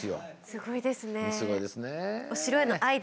すごいですね。